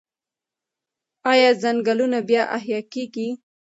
آیا ځنګلونه بیا احیا کیږي؟